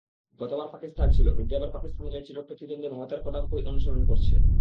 গতবার পাকিস্তান ছিল, কিন্তু এবার পাকিস্তানিরা চিরপ্রতিদ্বন্দ্বী ভারতের পদাঙ্কই অনুসরণ করছে।